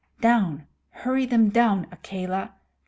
Down hurry them down, Akela!